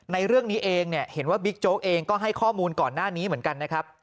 ในเรื่องนี้เองเนี่ยเห็นว่าบิ๊กโจ๊กเองก็ให้ข้อมูลก่อนหน้านี้เหมือนกันนะครับ